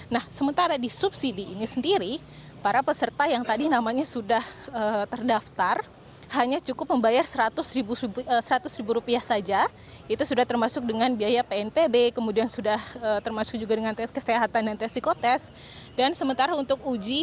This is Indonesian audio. nah sementara di subsidi ini sendiri para peserta yang tadi namanya sudah terdaftar hanya cukup membayar seratus ribu rupiah saja itu sudah termasuk dengan biaya pnpb kemudian sudah termasuk juga dengan tes kesehatan dan tes psikotest dan sementara untuk ujian